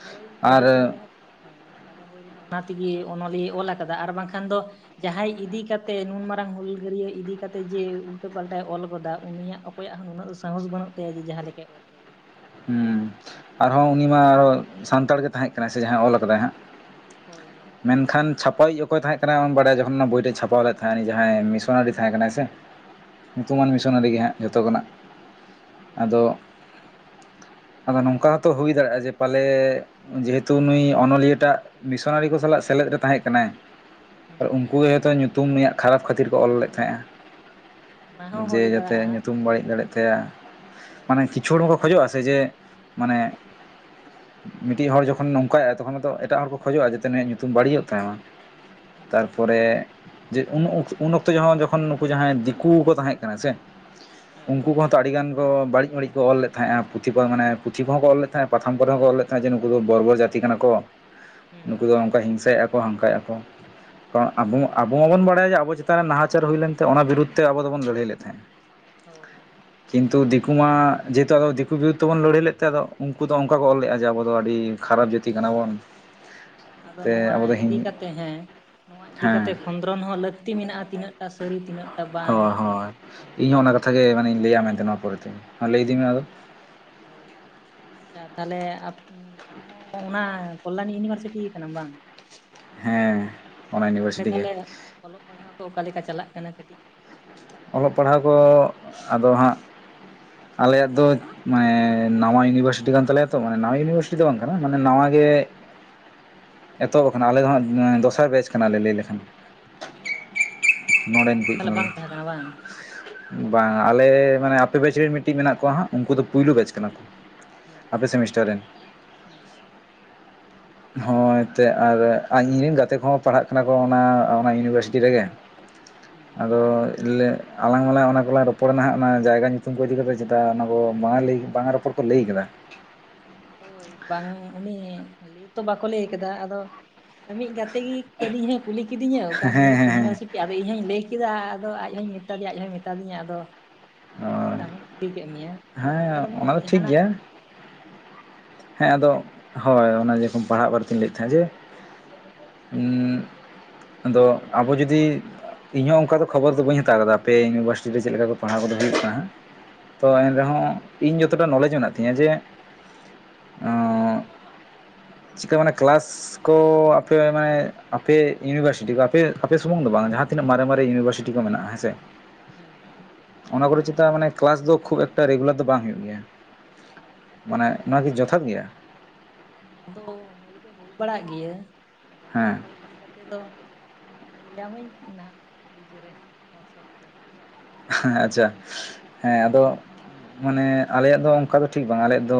Speaker 1: ᱦᱳᱭ
Speaker 2: ᱟᱨ
Speaker 1: ᱠᱟᱹᱴᱤᱡ ᱪᱩᱞᱩᱝ ᱨᱮᱦᱚᱸᱵ, ᱦᱮᱸ ᱯᱟᱞᱮ ᱦᱩᱭ ᱞᱮᱱᱟ? ᱚᱱᱟ ᱛᱤᱜᱮ ᱚᱱᱚᱞᱤᱭᱟᱹᱭ ᱚᱞ ᱟᱠᱟᱫᱟ ᱟᱨ ᱵᱟᱝᱠᱷᱟᱱ ᱫᱚ, ᱡᱟᱦᱟᱸᱭ ᱤᱫᱤ ᱠᱟᱛᱮ ᱱᱩᱱ ᱢᱟᱨᱟᱝ ᱦᱩᱞ ᱜᱟᱹᱨᱤᱭᱟᱹ ᱤᱫᱤ ᱠᱟᱛᱮ, ᱡᱮ ᱩᱞᱴᱟᱹ ᱯᱟᱞᱴᱟᱭ ᱚᱞ ᱜᱚᱫᱟ, ᱩᱱᱤᱭᱟᱜ ᱚᱠ ᱚᱠᱚᱭᱟᱜ ᱦᱚᱸ ᱱᱩᱱᱟᱹᱜ ᱫᱚ ᱥᱟᱦᱚᱸᱥ ᱵᱟᱹᱱᱩᱜ ᱛᱟᱭᱟ, ᱡᱮ ᱡᱟᱦᱟᱸ ᱞᱮᱠᱟᱭ ᱚᱞ ᱠᱟᱫᱟ᱿
Speaker 2: ᱦᱩᱸ ᱟᱨᱦᱚᱸ ᱩᱱᱤ ᱢᱟ ᱟᱨᱦᱚ ᱥᱟᱱᱛᱟᱲ ᱜᱮ ᱛᱟᱦᱮᱸᱜ ᱠᱟᱱᱟᱭ ᱥᱮ ᱡᱟᱦᱟᱸᱭ ᱚᱞ ᱟᱠᱟᱫᱟᱭ ᱦᱟᱸᱜ?
Speaker 1: ᱦᱳᱭ ᱦᱳᱭ
Speaker 2: ᱢᱮᱱᱠᱷᱟᱱ ᱪᱷᱟᱯ- ᱯᱟ ᱭᱤᱡ ᱚᱠᱚᱭ ᱛᱟᱦᱮᱸᱫ ᱠᱟᱱᱟ, ᱟᱢ ᱵᱟᱲᱟᱭᱟ ᱡᱚᱠᱷᱚᱱ ᱚᱱᱟ ᱵᱳᱭ ᱨᱮ ᱪᱷᱟᱯᱟᱣ ᱞᱮᱫ ᱛᱟᱦᱮᱸᱫ, ᱩᱱᱤ ᱡᱟᱦᱟᱸᱭ ᱢᱤᱥᱚᱱᱟᱨᱤ ᱛᱟᱦᱮᱸ ᱠᱟᱱᱟᱭ ᱥᱮ?
Speaker 1: ᱦᱩᱸ
Speaker 2: ᱧᱩᱛᱩᱢᱟᱱ ᱢᱤᱥᱚᱱᱟᱹᱨᱤ ᱜᱮ ᱦᱟᱸᱜ ᱡᱚᱛᱚ ᱠᱷᱚᱱᱟᱜ, ᱟᱫᱚ
Speaker 1: ᱦᱳᱭ
Speaker 2: ᱟᱫᱚ ᱱᱚᱝᱠᱟ ᱦᱚᱛᱚ ᱦᱩᱭ ᱫᱟᱲᱮᱭᱟᱜ-ᱟ ᱡᱮ ᱯᱟᱞᱮᱻᱜ ᱡᱮᱦᱮᱛᱩ ᱱᱩᱭ ᱚᱱᱚᱞᱤᱭᱟᱹ ᱴᱟᱜ ᱢᱮᱥᱚᱱᱟᱹᱨᱤ ᱠᱚ ᱥᱟᱞᱟᱜ ᱥᱮᱞᱮᱫ ᱨᱮ ᱛᱟᱦᱮᱸᱫ ᱠᱟᱱᱟᱭ᱾ ᱟᱨ
Speaker 1: ᱦᱩᱸ
Speaker 2: ᱩᱱᱠᱩ ᱜᱮ ᱦᱚᱭ ᱛᱚ, ᱧᱩᱛᱩᱢ ᱱᱩᱭᱟᱜ ᱠᱷᱟᱨᱟᱯ ᱠᱷᱟᱹᱛᱤᱨ ᱠᱚ ᱚᱞ ᱞᱮᱫ
Speaker 1: ᱚᱱᱟ
Speaker 2: ᱛᱟᱦᱮᱸᱜ-ᱟ
Speaker 1: ᱦᱚᱸ
Speaker 2: ᱾ ᱡᱮ
Speaker 1: ᱦᱩᱭ
Speaker 2: ᱡᱟᱛᱮ
Speaker 1: ᱫᱟᱲᱮᱭᱟᱜᱼᱟ
Speaker 2: ᱧᱩᱛᱩᱢ ᱵᱟᱹᱲᱤᱡ ᱫᱟᱲᱮᱜ ᱛᱟᱭᱟ, ᱢᱟᱱᱮ
Speaker 1: ᱦᱳᱭ
Speaker 2: ᱠᱤᱪᱷᱩᱼᱲ ᱦᱚ ᱠᱷᱚᱡᱚᱜ-ᱟ ᱥᱮ, ᱪᱮᱜ? ᱢᱟᱱᱮ ᱢᱤᱫᱴᱤᱡ ᱦᱚᱲ ᱡᱚᱠᱷᱚᱱ ᱱᱚᱝᱠᱟᱭ-ᱟ ᱛᱚᱠᱷᱚᱱ ᱮᱴᱟᱜ ᱦᱚᱲ ᱠᱚ ᱠᱷᱚᱡᱚᱜ-ᱟ ᱡᱟᱛᱮ ᱱᱩᱭᱟᱜ ᱧᱩᱛᱩᱢ ᱵᱟᱹᱲᱤᱡᱚᱜ ᱛᱟᱭ ᱢᱟ
Speaker 1: ᱦᱩᱸ
Speaker 2: ᱛᱟᱨ
Speaker 1: ᱦᱩᱸ
Speaker 2: ᱯᱚᱨᱮᱼᱼ ᱡᱮ ᱩᱱ ᱩᱱ ᱚᱠᱛᱚ ᱡᱚᱠᱷᱚᱱ ᱱᱩᱠᱩ ᱡᱟᱦᱟᱸᱭ ᱫᱤᱠᱩ ᱠᱚ ᱛᱟᱦᱮᱸ ᱠᱟᱱᱟ ᱥᱮ
Speaker 1: ᱦᱮᱸ
Speaker 2: ᱩᱱᱠᱩ ᱠᱚᱼᱼ ᱛᱚ ᱟᱹᱰᱤ ᱜᱟᱱ ᱠᱚ ᱵᱟᱹᱲᱤᱡ ᱵᱟᱹᱲᱤᱡ ᱠᱚ ᱚᱞ ᱞᱮᱫᱟ ᱛᱟᱦᱮᱸᱜ ᱯᱩᱛᱷᱤ ᱠᱚ ᱢᱟᱱᱮ ᱯᱩᱛᱷᱤ ᱠᱚ ᱦᱚᱸ ᱠᱚ ᱚᱞ ᱞᱮᱫ ᱛᱟᱦᱮᱸᱜ ᱯᱟᱛᱷᱟᱢ ᱠᱚ ᱨᱮ ᱦᱚᱸᱠᱚ ᱚᱞ ᱞᱮᱫ ᱛᱟᱦᱮᱸᱜ ᱡᱮ ᱱᱩᱠᱩ ᱫᱚ ᱵᱚᱨᱵᱚᱨ ᱡᱟᱹᱛᱤ ᱠᱟᱱᱟ ᱠᱚ
Speaker 1: ᱦᱩᱸ
Speaker 2: ᱱᱩᱠᱩ ᱫᱚ ᱚᱱᱠᱟ ᱦᱤᱝᱥᱟᱹᱭ ᱮᱫ-ᱟ ᱠᱚ ᱦᱟᱱᱠᱟᱭᱮᱫ-ᱟ ᱠᱚ ᱠᱟᱨᱚᱱ ᱟᱵᱚ ᱟᱵᱚ ᱢᱟᱵᱚᱱ ᱵᱟᱲᱟᱭᱟ ᱡᱮ ᱟᱵᱚ ᱡᱟᱹᱛᱤᱼᱼ ᱪᱮᱛᱟᱱ ᱨᱮ ᱱᱟᱦᱟᱪᱟᱨ ᱦᱩᱭ ᱞᱮᱱ ᱛᱮ ᱚᱱᱟ ᱵᱤᱨᱩᱫ ᱛᱮ ᱟᱵᱚ ᱫᱚᱵᱚᱱ ᱞᱟᱹᱲᱦᱟᱹᱭ ᱞᱮᱫ ᱛᱟᱦᱮᱸᱫ
Speaker 1: ᱦᱳᱭ
Speaker 2: ᱠᱤᱱᱛᱩ ᱫᱤᱠᱩ ᱢᱟ ᱡᱟᱹᱛᱼᱼ [unintelligible] ᱫᱤᱠᱩ ᱵᱤᱨᱩᱫ ᱛᱮᱵᱚᱱ ᱞᱟᱹᱲᱦᱟᱹᱭ ᱞᱮᱫ ᱛᱮ ᱟᱫᱚ ᱩᱱᱠᱩ ᱫᱚ ᱚᱱᱠᱟ ᱠᱚ ᱚᱞ ᱞᱮᱫ-ᱟ ᱡᱮ ᱟᱵᱚ ᱫᱚ ᱟᱹᱰᱤ ᱠᱷᱟᱨᱟᱯ ᱡᱟᱹᱛ
Speaker 1: ᱟᱫᱚ ᱱᱚᱣᱟ
Speaker 2: ᱟᱵᱚ ᱫᱚ ᱦᱤᱝ
Speaker 1: ᱤᱫᱤ ᱠᱟᱛᱮ ᱦᱮᱸ ᱱᱚᱣᱟ ᱤᱫᱤ
Speaker 2: ᱦᱮᱸ
Speaker 1: ᱠᱟᱛᱮ ᱠᱷᱚᱱᱼᱼ [unintelligible] ᱦᱚᱸ ᱞᱟᱹᱠᱛᱤ ᱢᱮᱱᱟᱜ-ᱟ ᱛᱤᱱᱟᱹᱜ ᱴᱟ ᱥᱟᱹᱨᱤ ᱛᱤᱱᱟᱹᱜ [unintelligible]
Speaker 2: ᱦᱳᱭ ᱦᱳᱭ ᱤᱧ ᱦᱚᱸ ᱚᱱᱟ ᱠᱟᱛᱷᱟ ᱜᱮ ᱢᱟᱱᱮᱧ ᱞᱟᱹᱭᱟ ᱢᱮᱱ ᱛᱮ ᱱᱚᱣᱟ ᱯᱚᱨᱮ ᱛᱮ
Speaker 1: ᱦᱳᱭ ᱦᱳᱭ ᱟᱪᱪᱷᱟ ᱛᱟᱦᱚᱞᱮ [unintelligible] ᱟᱢ ᱦᱚᱸ ᱚᱱᱟ ᱠᱚᱞᱞᱟᱱᱤ ᱤᱭᱩᱱᱤᱵᱷᱟᱨᱥᱤᱴᱤ ᱠᱟᱱᱟᱢ ᱵᱟᱝ
Speaker 2: ᱦᱮᱸ ᱚᱱᱟ
Speaker 1: ᱚᱸᱰᱮ
Speaker 2: ᱤᱭᱩᱱᱤᱵᱷᱟᱨᱥᱤᱴᱤ ᱜᱮ
Speaker 1: ᱛᱟᱦᱞᱮ ᱚᱞᱚᱜ ᱯᱟᱲᱦᱟᱣ ᱠᱚ ᱚᱠᱟ ᱞᱮᱠᱟ ᱪᱟᱞᱟᱜ ᱠᱟᱱᱟ ᱠᱟᱹᱴᱤᱡ ᱞᱟᱹᱭ ᱛᱟᱵᱚᱱᱟ
Speaker 2: ᱚᱞᱚᱜ ᱯᱟᱲᱦᱟᱣ ᱠᱚ ᱟᱫᱚ ᱦᱟᱸᱜ ᱟᱞᱮᱭᱟᱜ ᱫᱚᱼᱼ ᱢᱟᱱᱮ ᱱᱟᱣᱟ ᱤᱭᱩᱱᱤᱵᱷᱟᱨᱥᱤᱴᱤ ᱠᱟᱱ ᱛᱟᱞᱮᱭᱟ ᱛᱚ ᱢᱟᱱᱮ ᱱᱟᱣᱟ ᱤᱭᱩᱱᱤᱵᱷᱟᱨᱥᱤᱴᱤ ᱫᱚ ᱵᱟᱝ ᱠᱟᱱᱟ ᱢᱟᱱᱮ ᱱᱟᱣᱟ ᱜᱮᱼᱼ ᱮᱛᱚᱦᱚᱵ ᱟᱠᱟᱱᱟ ᱟᱞᱮ ᱫᱚ ᱦᱟᱸᱜ ᱫᱚᱥᱟᱨ ᱵᱮᱪ ᱠᱟᱱᱟᱞᱮ ᱞᱟᱹᱭ ᱞᱮᱠᱷᱟᱱ
Speaker 1: ᱚ ᱞᱟᱦᱟ
Speaker 2: ᱱᱚᱸᱰᱮᱱ
Speaker 1: ᱨᱮᱫᱚ
Speaker 2: ᱠᱚ
Speaker 1: ᱛᱟᱦᱚᱞᱮ
Speaker 2: ᱠᱟᱱᱟᱞᱮ
Speaker 1: ᱵᱟᱝ ᱛᱟᱦᱮᱸ ᱠᱟᱱᱟ ᱵᱟᱝ
Speaker 2: ᱵᱟᱝ ᱟᱞᱮ ᱢᱟᱱᱮ ᱟᱯᱮ ᱵᱮᱪ ᱨᱮᱱ ᱢᱤᱫᱴᱤᱡ ᱢᱮᱱᱟᱜ ᱠᱚᱣᱟ ᱦᱟᱸᱜ ᱩᱱᱠᱩ ᱫᱚ ᱯᱳᱭᱞᱳ ᱵᱮᱪ ᱠᱟᱱᱟ ᱠᱚ
Speaker 1: ᱦᱮᱸ
Speaker 2: ᱟᱯᱮ ᱥᱮᱢᱤᱥᱴᱟᱨ ᱨᱮᱱ
Speaker 1: ᱦᱮᱸ
Speaker 2: ᱦᱳᱭ ᱮᱱᱛᱮᱫ ᱟᱨ ᱤᱧᱨᱮᱱ ᱜᱟᱛᱮ ᱠᱚᱦᱚᱸ ᱯᱟᱲᱦᱟᱜ ᱠᱟᱱᱟ ᱠᱚ ᱚᱱᱟ ᱚᱱᱟ ᱤᱭᱩᱱᱤᱵᱷᱟᱨᱥᱤᱴᱤ ᱨᱮᱜᱮ
Speaker 1: ᱦᱩᱸ
Speaker 2: ᱟᱫᱚ ᱞᱮᱼᱼ ᱟᱞᱟᱝ ᱢᱟᱞᱟᱝ ᱚᱱᱟ ᱠᱚᱞᱟᱝ ᱨᱚᱯᱚᱲ ᱱᱟ ᱦᱟᱸᱜ ᱚᱱᱟ ᱡᱟᱭᱜᱟ ᱧᱩᱛᱩᱢ ᱠᱚ ᱤᱫᱤ ᱠᱟᱛᱮᱫ ᱪᱮᱛᱟ ᱚᱱᱟ ᱠᱚ ᱵᱟᱝᱟ ᱞᱟᱭ ᱵᱟᱝᱟ ᱨᱚᱯᱚᱲ ᱠᱚ ᱞᱟᱹᱭ ᱠᱟᱫᱟ
Speaker 1: ᱦᱳᱭ ᱵᱟᱝ ᱩᱱᱤ ᱞᱟᱹᱭ ᱛᱚ ᱵᱟᱠᱚ ᱞᱟᱹᱭ ᱟᱠᱟᱫᱟ ᱟᱫᱚ ᱤᱢᱤᱡ ᱜᱟᱛᱮ ᱜᱮ ᱠᱟᱴᱤᱡ ᱤᱧ ᱦᱚᱸ ᱮ ᱠᱩᱞᱤ ᱠᱤᱫᱤᱧᱟ ᱚᱠᱟ
Speaker 2: ᱦᱮᱸ ᱦᱮᱸ ᱦᱮᱸ
Speaker 1: [unintelligible] ᱟᱫᱚ ᱤᱧ ᱦᱚᱧ ᱞᱟᱹᱭ ᱠᱮᱫᱟ ᱟᱫᱚ ᱟᱡ ᱦᱚᱧ ᱢᱮᱛᱟᱫᱮᱭᱟ ᱟᱡ ᱦᱚᱭ ᱢᱮᱛᱟ ᱫᱤᱧᱟ ᱟᱫᱚᱼᱼ ᱚᱱᱟ
Speaker 2: ᱦᱳᱭ
Speaker 1: ᱠᱷᱟᱹᱛᱤᱨ ᱟᱢ ᱦᱚᱧ ᱠᱩᱞᱤ ᱠᱮᱫ ᱢᱮᱭᱟ ᱩᱱᱟᱹᱜ ᱴᱟᱜ
Speaker 2: ᱦᱮᱸ
Speaker 1: ᱫᱚ ᱢᱟᱱᱮ
Speaker 2: ᱚᱱᱟ ᱴᱷᱤᱠ
Speaker 1: ᱡᱟᱦᱟᱱᱟᱜ
Speaker 2: ᱜᱮᱭᱟ ᱦᱮᱸ ᱟᱫᱚ ᱦᱳᱭ ᱚᱱᱟ ᱡᱮᱨᱚᱠᱚᱢ ᱯᱟᱲᱦᱟᱜ ᱵᱟᱨᱮᱛᱮᱧ ᱞᱟᱹᱭᱮᱫ ᱛᱟᱦᱮᱸ ᱡᱮ [unintelligible] ᱟᱫᱚ ᱟᱵᱚ ᱡᱩᱫᱤ ᱤᱧ ᱦᱚᱸ ᱚᱱᱠᱟ ᱫᱚ ᱠᱷᱚᱵᱚᱨ ᱫᱚ ᱵᱟᱹᱧ ᱦᱟᱛᱟᱣ ᱠᱟᱫᱟ ᱟᱯᱮ ᱤᱭᱩᱱᱵᱷᱟᱨᱥᱤᱴᱤ ᱨᱮ ᱪᱮᱫ ᱞᱮᱠᱟ ᱠᱚ ᱯᱟᱲᱦᱟᱣ ᱠᱚᱫᱚ ᱦᱩᱭᱩᱜ ᱠᱟᱱᱟ ᱦᱟᱸᱜ ᱛᱚ
Speaker 1: ᱦᱩᱸ
Speaker 2: ᱮᱱᱨᱮᱦᱚᱸ ᱤᱧ ᱡᱚᱛᱚᱴᱟ ᱱᱚᱞᱮᱡᱽ ᱢᱮᱱᱟᱜ ᱛᱤᱧᱟᱹ ᱡᱮ ᱚᱸᱻ ᱪᱮᱫᱠᱟ ᱢᱟᱱᱮ ᱠᱮᱞᱟᱥ ᱠᱚ ᱟᱯᱮ ᱢᱟᱱᱮ ᱟᱯᱮ ᱤᱭᱩᱱᱤᱵᱷᱟᱨᱥᱤᱴᱤ ᱠᱚ ᱟᱯᱮ ᱟᱯᱮ ᱥᱩᱢᱩᱝ ᱫᱚ ᱵᱟᱝ ᱡᱟᱦᱟᱸ ᱛᱤᱱᱟᱹᱜ ᱢᱟᱨᱮ ᱢᱟᱨᱮ ᱤᱭᱩᱱᱤᱵᱷᱟᱨᱥᱤᱴᱤ ᱠᱚ ᱢᱮᱱᱟᱜᱼᱟ ᱦᱮᱸ ᱥᱮ
Speaker 1: ᱦᱮᱸ ᱦᱮᱸ
Speaker 2: ᱚᱱᱟ ᱠᱚᱨᱮ ᱪᱮᱛᱟ ᱢᱟᱱᱮ ᱠᱮᱞᱟᱥ ᱫᱚ ᱠᱷᱩᱵ ᱮᱠᱴᱟ ᱨᱮᱜᱩᱞᱟᱨ ᱫᱚ ᱵᱟᱝ ᱦᱳᱭᱳᱜ ᱜᱮᱭᱟ ᱢᱟᱱᱮ ᱱᱚᱣᱟ ᱠᱤ ᱡᱚᱛᱷᱟᱛ ᱜᱮᱭᱟ
Speaker 1: ᱟᱫᱚ ᱦᱩᱭ ᱫᱚ ᱦᱩᱭ ᱵᱟᱲᱟᱜ ᱜᱮᱭᱟ ᱟᱫᱚ ᱱᱚᱣᱟ
Speaker 2: ᱦᱮᱸ
Speaker 1: ᱠᱚ ᱤᱫᱤᱼᱼ ᱡᱟᱛᱮ ᱫᱚ ᱞᱟᱹᱭ ᱟᱢᱟᱹᱧ ᱱᱟᱦᱟᱜ ᱤᱭᱟᱹᱨᱮ ᱦᱳᱣᱟᱴᱥᱚᱯ ᱛᱮ
Speaker 2: ᱦᱮᱸ ᱟᱪᱪᱷᱟ ᱦᱮᱸ ᱟᱫᱚᱼᱼ ᱢᱟᱱᱮ ᱟᱞᱮᱭᱟᱜ ᱫᱚ ᱚᱱᱠᱟ ᱫᱚ ᱴᱷᱤᱠ ᱵᱟᱝ ᱟᱞᱮᱭᱟᱜ ᱫᱚ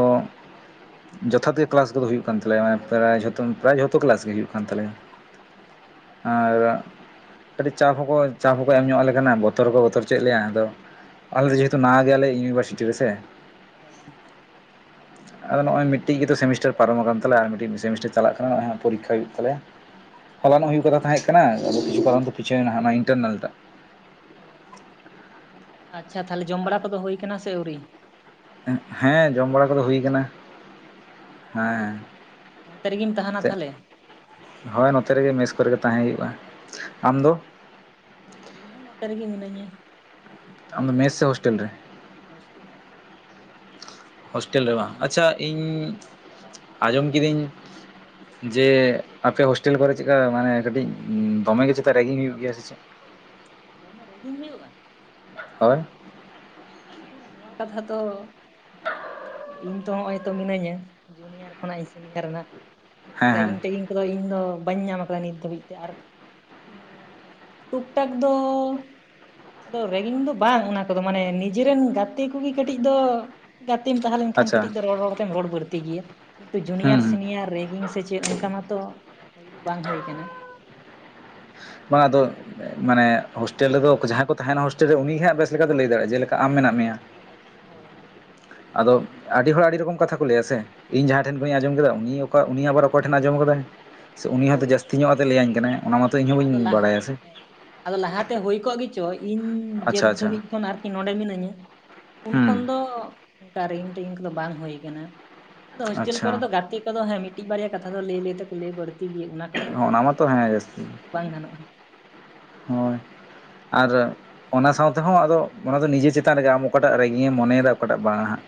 Speaker 2: ᱡᱚᱛᱷᱟᱛ ᱜᱮ ᱠᱞᱟᱥ ᱠᱚᱫᱚ ᱦᱩᱭᱩᱜ ᱠᱟᱱ ᱛᱟᱞᱮᱭᱟ ᱢᱟᱱᱮ ᱯᱨᱟᱭ ᱡᱚᱛᱚ ᱯᱨᱟᱭ ᱡᱷᱚᱛᱚ ᱠᱞᱟᱥ ᱜᱮ ᱦᱩᱭᱩᱜ ᱠᱟᱱ ᱛᱟᱞᱮᱭᱟ
Speaker 1: ᱚ
Speaker 2: ᱟᱨᱼᱼ ᱠᱟᱹᱴᱤᱡ ᱪᱟᱯ ᱦᱚᱸᱠᱚ ᱪᱟᱯ ᱦᱚᱸᱠᱚ ᱮᱢ ᱧᱚᱜ ᱟᱞᱮ ᱠᱟᱱᱟ ᱵᱚᱛᱚᱨ ᱦᱚᱸᱠᱚ ᱵᱚᱛᱚᱨ ᱦᱚᱪᱚᱭᱮᱫ ᱞᱮᱭᱟ ᱟᱫᱚ ᱟᱞᱮ
Speaker 1: ᱦᱩᱸ
Speaker 2: ᱫᱚ ᱡᱮᱦᱮᱛᱩ ᱱᱟᱣᱟ ᱜᱮᱭᱟᱞᱮ ᱤᱭᱩᱱᱤᱵᱷᱟᱨᱥᱤᱴᱤ ᱨᱮᱥᱮᱼᱼ
Speaker 1: ᱦᱮᱸ
Speaker 2: ᱟᱫᱚ ᱱᱚᱜᱼᱚᱭ ᱢᱤᱫᱴᱤᱡ ᱜᱮᱛᱚ ᱥᱮᱢᱤᱥᱴᱟᱨ ᱯᱟᱨᱚᱢ ᱟᱠᱟᱱ ᱛᱟᱞᱮᱭᱟ ᱟᱨ ᱢᱤᱫᱴᱤᱡ ᱥᱮᱢᱤᱥᱴᱟᱨ ᱪᱟᱞᱟᱜ ᱠᱟᱱᱟ ᱱᱚᱜᱼᱚᱭ ᱦᱟᱸᱜ ᱯᱚᱨᱤᱠᱠᱷᱟ ᱦᱩᱭᱩᱜ ᱛᱟᱞᱮᱭᱟ᱾ ᱦᱚᱚᱞᱚᱱᱚᱜ
Speaker 1: ᱦᱩᱸ
Speaker 2: ᱦᱩᱭᱩᱜ ᱠᱟᱛᱷᱟ ᱛᱟᱦᱮᱸ ᱠᱟᱱᱟ ᱠᱤᱪᱷᱩ ᱠᱟᱨᱚᱱ ᱛᱮ ᱯᱤᱪᱷᱳᱣᱱᱟ ᱦᱟᱱᱟ ᱤᱱᱴᱟᱨᱱᱮᱞ ᱴᱟᱜᱼᱼ
Speaker 1: ᱚ ᱟᱪᱪᱷᱟ ᱛᱟᱦᱚᱞᱮ ᱡᱚᱢ ᱵᱟᱲᱟ ᱠᱚᱫᱚ ᱦᱩᱭ ᱠᱟᱱᱟ ᱥᱮ ᱟᱹᱣᱨᱤᱼᱼ
Speaker 2: ᱦᱮᱸ ᱡᱚᱢ ᱵᱟᱲᱟ ᱠᱚᱫᱚ ᱦᱩᱭ ᱟᱠᱟᱱᱟ᱾ ᱦᱮᱸ
Speaker 1: ᱚ ᱚᱱᱛᱮ ᱨᱮᱜᱮᱢ ᱛᱟᱦᱮᱱᱟ
Speaker 2: ᱪᱮᱫ
Speaker 1: ᱛᱟᱦᱚᱞᱮ
Speaker 2: ᱦᱳᱭ ᱱᱚᱛᱮ ᱨᱮᱜᱮ ᱢᱮᱥ ᱠᱚᱨᱮᱜᱮ ᱛᱟᱦᱮᱸ ᱦᱩᱭᱩᱜᱼᱟ ᱟᱢᱫᱚ᱾
Speaker 1: ᱚ ᱤᱧ ᱦᱚᱸ ᱱᱚᱛᱮ ᱨᱮᱜᱮ ᱢᱤᱱᱟᱹᱧᱟ᱾
Speaker 2: ᱟᱢᱫᱚ ᱢᱮᱥ ᱥᱮ ᱦᱳᱥᱴᱮᱞ ᱨᱮ᱾
Speaker 1: ᱦᱳᱥᱴᱮᱞ ᱨᱮ
Speaker 2: ᱦᱳᱥᱴᱮᱞ ᱨᱮ ᱵᱟᱝ ᱟᱪᱪᱷᱟ ᱤᱧ
Speaker 1: ᱦᱳᱭ
Speaker 2: ᱟᱸᱡᱚᱢ ᱠᱤᱫᱟᱹᱧᱼᱼ ᱡᱮ ᱟᱯᱮ ᱦᱳᱥᱴᱮᱞ ᱠᱚᱨᱮ ᱪᱮᱫᱠᱟ ᱢᱟᱱᱮ ᱠᱟᱹᱴᱤᱡ ᱫᱚᱢᱮ ᱜᱮ ᱪᱮᱛᱟ ᱨᱮᱜᱤᱝ ᱦᱩᱭᱩᱜ ᱜᱮᱭᱟ ᱥᱮ ᱪᱮᱫᱼᱼ
Speaker 1: ᱫᱚᱢᱮ ᱨᱮᱜᱤᱝ ᱦᱩᱭᱩᱜᱼᱟ᱾
Speaker 2: ᱦᱳᱭ
Speaker 1: ᱩᱠᱩᱨ ᱱᱚᱣᱟ ᱠᱟᱛᱷᱟ ᱛᱚᱼᱼ ᱤᱧ ᱛᱚ ᱦᱚᱸᱜᱼᱚᱭ ᱛᱚ ᱢᱤᱱᱟᱹᱧᱟ ᱡᱩᱱᱤᱭᱟᱨ ᱠᱷᱚᱱᱟᱜ ᱤᱧ ᱥᱮᱤᱱᱤᱭᱟᱨ ᱱᱟ᱾ ᱩᱠᱩᱨ
Speaker 2: ᱦᱮᱸ ᱦᱮᱸ
Speaker 1: ᱨᱮᱜᱤᱝ ᱴᱳᱜᱤᱝ ᱠᱚᱫᱚ ᱤᱧ ᱫᱚ ᱵᱟᱹᱧ ᱧᱟᱢ ᱠᱟᱫᱟ ᱱᱤᱛ ᱫᱷᱟᱹᱵᱤᱡ ᱛᱮ ᱟᱨᱼᱼ ᱴᱩᱠ ᱴᱟᱠ ᱫᱚ ᱟᱫᱚ ᱨᱮᱜᱤᱝ ᱫᱚ ᱵᱟᱝ ᱚᱱᱟ ᱠᱚᱫᱚ ᱢᱟᱱᱮᱼᱼ ᱱᱤᱡᱮᱨᱮᱱ ᱜᱟᱛᱮ ᱠᱚᱜᱮ ᱠᱟᱹᱴᱤᱡ ᱫᱚ ᱜᱟᱛᱮᱢ ᱛᱟᱦᱮᱸ ᱞᱮᱱ ᱠᱷᱟᱱ
Speaker 2: ᱟᱪᱪᱷᱟ
Speaker 1: ᱠᱟᱹᱴᱤᱡ ᱫᱚ ᱨᱚᱲ ᱨᱚᱲ ᱛᱮᱢ ᱨᱚᱲ ᱵᱟᱹᱲᱛᱤ ᱜᱮᱭᱟ᱾ ᱠᱤᱱᱛᱩ ᱡᱩᱱᱤᱭᱟᱨ
Speaker 2: ᱦᱩᱸ ᱦᱩᱸ
Speaker 1: ᱥᱤᱱᱤᱭᱟᱨ ᱨᱮᱜᱤᱝ ᱥᱮ ᱪᱮᱫ ᱚᱱᱠᱟ ᱢᱟᱛᱚ ᱦᱩᱭ ᱫᱚ ᱵᱟᱝ ᱦᱩᱭ ᱟᱠᱟᱱᱟ᱾
Speaker 2: ᱵᱟᱝ ᱟᱫᱚ ᱢᱟᱱᱮ ᱦᱳᱥᱴᱮᱞ ᱨᱮᱫᱚ ᱡᱟᱦᱟᱸᱭ ᱠᱚ ᱛᱟᱦᱮᱱᱟ ᱦᱳᱥᱴᱮᱞ ᱨᱮ ᱩᱱᱤᱮ ᱦᱟᱸᱜ ᱵᱮᱥ ᱞᱮᱠᱟᱛᱮᱭ ᱞᱟᱹᱭ ᱫᱟᱲᱮᱭᱟᱜᱼᱟ ᱡᱮᱞᱮᱠᱟ ᱟᱢ ᱢᱮᱱᱟᱜ ᱢᱮᱭᱟ᱾
Speaker 1: ᱦᱳᱭ
Speaker 2: ᱟᱫᱚ ᱟᱹᱰᱤ ᱦᱚᱲ ᱟᱹᱰᱤ ᱨᱚᱠᱚᱢ ᱠᱟᱛᱷᱟ ᱠᱚ ᱞᱟᱹᱭᱟ ᱥᱮ᱾ ᱤᱧ ᱡᱟᱦᱟᱸᱭ ᱴᱷᱮᱱ ᱠᱷᱚᱱᱤᱧ ᱟᱸᱚᱢ ᱠᱮᱫᱟ ᱩᱱᱤ ᱩᱱᱤ ᱟᱵᱟᱨ ᱚᱠᱚᱭ ᱴᱷᱮᱱ ᱟᱸᱡᱚᱢ ᱟᱠᱟᱫᱟᱭ᱾ ᱥᱮ ᱩᱱᱤ ᱦᱚᱸᱛᱚ
Speaker 1: ᱦᱳᱭ
Speaker 2: ᱡᱟᱹᱥᱛᱤ ᱧᱚᱜ ᱟᱛᱮ ᱞᱟᱹᱭᱟᱹᱧ ᱠᱟᱱᱟᱭ ᱚᱱᱟ ᱢᱟᱛᱚ ᱤᱧᱦᱚ ᱵᱟᱹᱧ
Speaker 1: ᱟᱫᱚ ᱞᱟᱦᱟ
Speaker 2: ᱵᱟᱲᱟᱭᱟ ᱥᱮ᱾
Speaker 1: ᱦᱮᱸ ᱟᱫᱚ ᱞᱟᱦᱟᱛᱮ ᱦᱩᱭ ᱠᱚᱜ ᱜᱮᱪᱚ ᱤᱧ ᱡᱮᱫ
Speaker 2: ᱟᱪᱪᱷᱟ ᱟᱪᱪᱷᱟ
Speaker 1: ᱫᱷᱟᱹᱵᱤᱡ ᱠᱷᱚᱱ ᱤᱧ ᱱᱚᱰᱮ ᱢᱤᱱᱟᱹᱧᱟ ᱩᱱ
Speaker 2: ᱦᱩᱸ
Speaker 1: ᱠᱷᱚᱱ ᱫᱚ ᱚᱱᱠᱟ ᱨᱤᱱ ᱴᱤᱱ ᱠᱚᱫᱚ ᱵᱟᱝ ᱦᱩᱭ ᱟᱠᱟᱱᱟ᱾ ᱟᱫᱚ ᱦᱳᱥᱴᱮᱞ
Speaker 2: ᱟᱪᱪᱷᱟ
Speaker 1: ᱠᱚᱨᱮ ᱫᱚ ᱜᱟᱛᱮ ᱠᱚᱫᱚ ᱦᱮᱸ ᱢᱤᱫᱴᱤᱡ ᱵᱟᱨᱭᱟ ᱠᱟᱛᱷᱟ ᱫᱚ ᱞᱟᱹᱭ ᱞᱟᱹᱭ ᱛᱮᱠᱚ ᱞᱟᱹᱭ ᱵᱟᱹᱲᱛᱤ ᱜᱮᱭᱟ᱾ ᱚᱱᱟ ᱠᱚᱫᱚ ᱨᱟᱹᱜᱤ
Speaker 2: ᱚᱱᱟ
Speaker 1: ᱦᱤᱥᱟᱹᱵᱽ
Speaker 2: ᱢᱟᱛᱚ
Speaker 1: ᱛᱮ
Speaker 2: ᱦᱮᱸ
Speaker 1: ᱦᱟᱛᱟᱣ
Speaker 2: ᱡᱟᱹᱥᱛᱤ
Speaker 1: ᱞᱮᱠᱷᱟᱱ ᱫᱚ ᱵᱟᱝ ᱜᱟᱱᱚᱜᱼᱟ᱾
Speaker 2: ᱦᱳᱭ ᱟᱨ ᱚᱱᱟ ᱥᱟᱶᱛᱮ ᱦᱚᱸ ᱟᱫᱚ ᱚᱱᱟ ᱫᱚ ᱱᱤᱡᱮ ᱪᱮᱛᱟᱱ ᱨᱮᱜᱮ ᱟᱢ ᱚᱠᱟᱴᱟᱜ ᱨᱟᱹᱜᱤᱭᱮᱢ ᱢᱚᱱᱮᱭᱮᱫᱟ ᱚᱠᱟᱴᱟᱜ ᱵᱟᱝᱟ ᱦᱟᱸᱜ᱾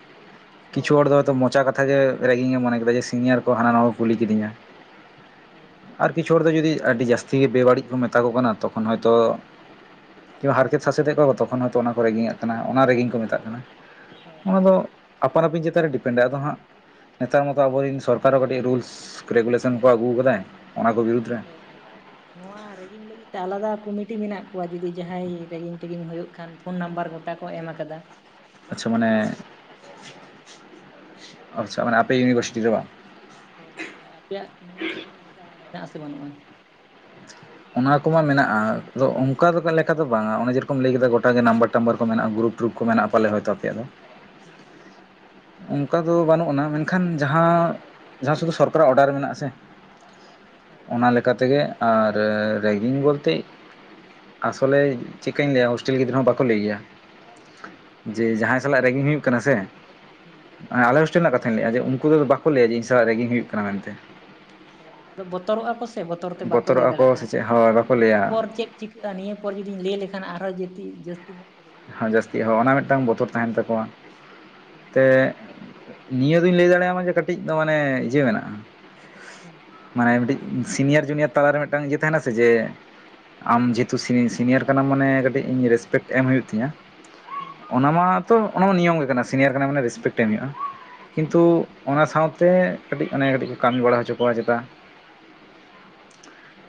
Speaker 2: ᱠᱤᱪᱷᱩ ᱦᱚᱲ
Speaker 1: ᱦᱳᱭ
Speaker 2: ᱫᱚ ᱦᱚᱭᱛᱳ ᱢᱚᱪᱟ ᱠᱟᱛᱷᱟ ᱜᱮ ᱨᱟᱹᱜᱤ ᱜᱮ ᱢᱚᱱᱮ ᱠᱮᱫᱟ ᱡᱮ ᱥᱤᱱᱤᱭᱟᱨ ᱠᱚ ᱦᱟᱱᱟ ᱱᱟᱣᱟ ᱠᱚ ᱠᱩᱞᱤ ᱠᱤᱫᱤᱧᱟ᱾
Speaker 1: ᱦᱳᱭ
Speaker 2: ᱟᱨ ᱠᱤᱪᱷᱩ ᱦᱚᱲ ᱫᱚ ᱡᱩᱫᱤ ᱟᱹᱰᱤ ᱡᱟᱹᱥᱛᱤ ᱜᱮ ᱵᱮᱵᱟᱹᱲᱤᱡ ᱠᱚ ᱢᱮᱛᱟ ᱠᱚ ᱠᱟᱱᱟ ᱛᱚᱠᱷᱚᱱ ᱦᱚᱭᱛᱚ
Speaker 1: ᱦᱩᱸ ᱦᱩᱸ
Speaker 2: ᱠᱤ ᱦᱟᱨᱠᱮᱛ ᱥᱟᱥᱮᱛ ᱮᱫ ᱠᱚᱣᱟ ᱠᱚ ᱛᱚᱠᱷᱚᱱ ᱦᱚᱭᱛᱳ ᱚᱱᱟ ᱠᱚ ᱨᱮᱸᱜᱤᱧ ᱮᱛ ᱠᱟᱱᱟ ᱚᱱᱟ ᱨᱮᱸᱜᱤᱝ ᱠᱚ ᱢᱮᱛᱟᱜ ᱠᱟᱱᱟ
Speaker 1: ᱦᱮᱸ
Speaker 2: ᱚᱱᱟ ᱫᱚ
Speaker 1: ᱦᱮᱸ
Speaker 2: ᱟᱯᱟᱱ ᱟᱹᱯᱤᱱ ᱪᱮᱛᱟᱱ ᱨᱮ ᱰᱤᱯᱮᱱᱰ ᱟᱭ ᱟᱫᱚ ᱦᱟᱸᱜ ᱱᱮᱛᱟᱨ ᱢᱚᱛᱚ ᱟᱵᱚᱨᱮᱱ ᱥᱚᱨᱠᱟᱨ ᱦᱚᱸ ᱠᱟᱹᱴᱤᱡ ᱨᱩᱞᱥ ᱨᱮᱜᱩᱞᱮᱥᱚᱱ ᱠᱚ ᱟᱹᱜᱩ ᱟᱠᱟᱫᱟᱭ ᱚᱱᱟ ᱠᱚ ᱵᱤᱨᱩᱫᱽ ᱨᱮ
Speaker 1: ᱦᱮᱸ ᱦᱮᱸ ᱱᱚᱣᱟ ᱨᱮᱜᱤᱝ ᱞᱟᱹᱜᱤᱫ ᱛᱮ ᱟᱞᱟᱫᱟ ᱠᱚᱢᱤᱴᱤ ᱢᱮᱱᱟᱜ ᱠᱚᱣᱟ ᱡᱩᱫᱤ ᱡᱟᱦᱟᱸᱭ ᱨᱮᱜᱤᱝ ᱛᱮᱜᱤᱧ ᱦᱳᱭᱳᱜ ᱠᱷᱟᱱ ᱯᱷᱳᱱ ᱱᱟᱢᱵᱟᱨ ᱜᱚᱴᱟ ᱠᱚ ᱮᱢ ᱟᱠᱟᱫᱟ᱾ ᱯᱷᱳᱱ
Speaker 2: ᱟᱪᱪᱷᱟ
Speaker 1: ᱞᱮᱠᱷᱟᱱ
Speaker 2: ᱢᱟᱱᱮ
Speaker 1: ᱜᱮ ᱦᱤᱡᱩᱜ ᱟᱠᱚ
Speaker 2: ᱟᱪᱪᱷᱟ ᱢᱟᱱᱮ ᱟᱯᱮ ᱤᱭᱩᱱᱤᱵᱷᱟᱨᱥᱤᱴᱤ ᱫᱚ ᱵᱟᱝ?
Speaker 1: ᱦᱳᱭ ᱦᱳᱭ ᱛᱟᱦᱚᱞᱮ ᱟᱯᱮᱭᱟᱜ ᱤᱭᱩᱱᱤᱵᱷᱟᱨᱥᱤᱴᱤ ᱨᱮᱫᱚ ᱚᱱᱠᱟ ᱢᱮᱱᱟᱜ ᱟᱥᱮ ᱵᱟᱹᱱᱩᱜᱼᱟ?
Speaker 2: ᱚᱱᱟ ᱠᱚᱢᱟ ᱢᱮᱱᱟᱜᱼᱟ ᱟᱫᱚ ᱚᱱᱠᱟ ᱫᱚ ᱞᱮᱠᱟ ᱫᱚ ᱵᱟᱝᱟ ᱚᱱᱮ ᱡᱮᱨᱚᱠᱚᱢ ᱞᱟᱹᱭ ᱠᱮᱫᱟ ᱜᱚᱴᱟᱜ ᱜᱮ ᱱᱟᱢᱵᱟᱨ ᱴᱟᱢᱵᱟᱨ ᱠᱚ ᱢᱮᱱᱟᱜᱼᱟ ᱜᱩᱨᱩᱯ ᱜᱩᱨᱩᱠ ᱠᱚ ᱢᱮᱱᱟᱜᱼᱟ ᱯᱟᱞᱮ ᱦᱳᱭᱛᱳ ᱟᱯᱮᱭᱟᱜ ᱫᱚ᱾
Speaker 1: ᱦᱩᱸ ᱦᱩᱸ
Speaker 2: ᱚᱱᱠᱟ ᱫᱚ ᱵᱟᱹᱱᱩᱜ ᱟᱱᱟ, ᱢᱮᱱᱠᱷᱟᱱ ᱡᱟᱦᱟᱸ ᱡᱟᱦᱟᱸ ᱥᱩᱫᱩ ᱥᱚᱨᱠᱟᱨᱟᱜ ᱚᱰᱟᱨ ᱢᱮᱱᱟᱜ ᱟᱥᱮ
Speaker 1: ᱦᱳᱭ
Speaker 2: ᱚᱱᱟ ᱞᱮᱠᱟ ᱛᱮᱜᱮ ᱟᱨ ᱨᱮᱜᱤᱝ ᱵᱚᱞᱛᱮ ᱟᱥᱚᱞᱮ ᱪᱤᱠᱟᱹᱧ ᱞᱟᱹᱭᱟ ᱦᱳᱥᱴᱮᱞ ᱜᱤᱫᱽᱨᱟᱹ ᱦᱚᱸ ᱵᱟᱠᱚ ᱞᱟᱹᱭ ᱜᱮᱭᱟ᱾ ᱡᱮ ᱡᱟᱦᱟᱸᱭ ᱥᱟᱞᱟᱜ ᱨᱮᱜᱤᱝ ᱦᱩᱭᱩᱜ ᱠᱟᱱᱟ ᱥᱮ
Speaker 1: ᱦᱮᱸ
Speaker 2: ᱮ ᱟᱞᱮ ᱦᱚᱥᱴᱮᱞ ᱨᱮᱱᱟᱜ ᱠᱟᱛᱷᱟᱧ ᱞᱮᱫᱼᱟ ᱡᱮ ᱩᱱᱠᱩ ᱠᱚᱫᱚ ᱵᱟᱠᱚ ᱞᱟᱹᱭᱟ ᱡᱮ ᱤᱧ ᱥᱟᱞᱟᱜ ᱨᱮᱜᱤᱧ ᱦᱩᱭᱩᱜ ᱠᱟᱱᱟ ᱢᱮᱱᱛᱮ᱾
Speaker 1: ᱦᱳᱭ ᱟᱫᱚ ᱵᱚᱛᱚᱨᱚᱜᱼᱟ ᱠᱚ ᱥᱮ ᱵᱚᱛᱚᱨ ᱛᱮ ᱵᱟᱠᱚ ᱞᱟᱹᱭ
Speaker 2: ᱵᱚᱛᱚᱨᱚᱜᱼᱟ ᱠᱚ ᱥᱮ ᱪᱮᱫ ᱦᱳᱭ
Speaker 1: ᱫᱟᱲᱮᱭᱟᱜᱼᱟ
Speaker 2: ᱵᱟᱠᱚ
Speaker 1: ᱱᱤᱭᱟᱹ
Speaker 2: ᱞᱟᱹᱭᱟ
Speaker 1: ᱯᱚᱨ ᱪᱮᱫ ᱪᱤᱠᱟᱹᱜᱼᱟ ᱱᱤᱭᱟᱹ ᱯᱚᱨ ᱡᱩᱫᱤᱧ ᱞᱟᱹᱭ ᱞᱮᱠᱷᱟᱱ ᱟᱨᱚᱸ ᱡᱩᱫᱤ ᱡᱟᱹᱥᱛᱤ ᱧᱚᱜ ᱠᱚ ᱨᱮᱜᱤᱝ ᱤᱧᱟ ᱥᱮ
Speaker 2: ᱡᱟᱹᱥᱛᱤ
Speaker 1: ᱠᱚ
Speaker 2: ᱦᱚᱸ ᱚᱱᱟ
Speaker 1: ᱪᱤᱠᱟᱹᱧᱟ
Speaker 2: ᱢᱤᱫᱴᱟᱱ ᱵᱚᱛᱚᱨ ᱛᱟᱦᱮᱱ
Speaker 1: ᱦᱳᱭ
Speaker 2: ᱛᱟᱠᱚᱣᱟ
Speaker 1: ᱦᱩᱸ
Speaker 2: ᱛᱮ ᱱᱤᱭᱟᱹ ᱫᱩᱧ ᱞᱟᱹᱭ ᱫᱟᱲᱮᱭᱟᱢᱟ ᱡᱮ ᱠᱟᱹᱴᱤᱡ ᱫᱚ ᱢᱟᱱᱮ ᱤᱭᱟᱹ ᱢᱮᱱᱟᱜᱼᱟ᱾
Speaker 1: ᱦᱩᱸ
Speaker 2: ᱢᱟᱱᱮ ᱢᱤᱫᱴᱤᱡ ᱥᱤᱱᱤᱭᱟᱨ ᱡᱩᱱᱤᱭᱟᱨ ᱛᱟᱞᱟᱨᱮ ᱢᱤᱫᱴᱟᱱ ᱤᱭᱟᱹ ᱛᱟᱦᱮᱱᱟ ᱥᱮ ᱡᱮ ᱟᱢ
Speaker 1: ᱦᱩᱸ
Speaker 2: ᱡᱮᱦᱮᱛᱩ ᱥᱤᱱᱤ ᱥᱤᱱᱤᱭᱟᱨ ᱠᱟᱱᱟᱢ ᱢᱟᱱᱮ ᱠᱟᱹᱴᱤᱡ ᱤᱧ ᱨᱮᱥᱯᱮᱠᱴ ᱮᱢ ᱦᱩᱭᱩᱜ ᱛᱤᱧᱟᱹ᱾
Speaker 1: ᱦᱩᱸ
Speaker 2: ᱚᱱᱟ ᱢᱟᱛᱚ ᱚᱱᱟᱢᱟ ᱱᱤᱭᱚᱢ ᱜᱮ ᱠᱟᱱᱟ ᱥᱤᱱᱤᱭᱟᱨ ᱠᱟᱱᱟ ᱢᱟᱱᱮ ᱨᱮᱥᱯᱮᱠᱴ ᱮᱢ ᱦᱩᱭᱩᱜᱼᱟ ᱠᱤᱱᱛᱩ
Speaker 1: ᱦᱩᱸ
Speaker 2: ᱚᱱᱟ ᱥᱟᱶᱛᱮ ᱠᱟᱹᱴᱤᱡ ᱚᱱᱮ ᱠᱟᱹᱴᱤᱡ ᱠᱚ ᱠᱟᱹᱢᱤ ᱵᱟᱲᱟ ᱦᱚᱪᱚ ᱠᱚᱣᱟ ᱪᱮᱛᱟ᱾